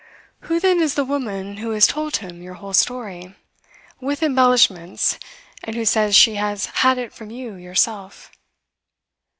'Who, then, is the woman who has told him your whole story with embellishments, and who says she has had it from you yourself?